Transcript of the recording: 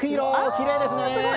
きれいですね。